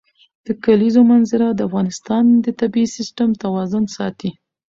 د کلیزو منظره د افغانستان د طبعي سیسټم توازن ساتي.